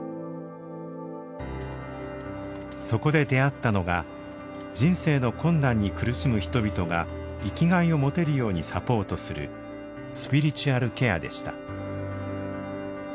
そこで出会ったのが人生の困難に苦しむ人々が生きがいを持てるようにサポートするスピリチュアルケアでした。